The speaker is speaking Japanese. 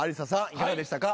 いかがでしたか？